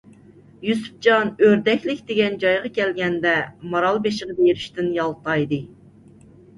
يۈسۈپجان ئۆردەكلىك دېگەن جايغا كەلگەندە، مارالبېشىغا بېرىشتىن يالتايدى.